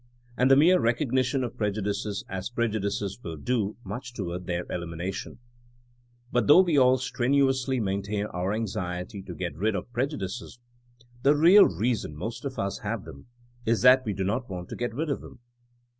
And the mere recognition of prejudices as prejudices will do much toward their elimination. But though we aU strenuously maintain our anxiety to get rid of prejudices, the real reason most of us have them is that we do not want to get rid of them.